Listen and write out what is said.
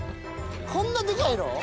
こんなデカいの？